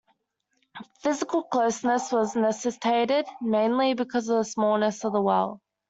Physical closeness was necessitated mainly because of the smallness of the well.